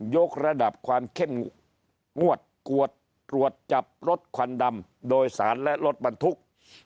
ยกระดับความเข้มงวดกวดตรวจจับรถควันดำโดยสารและรถบรรทุก